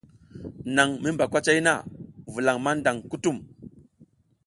Naƞ mi mba kwacay na, vulaƞ maƞdaƞ kutum.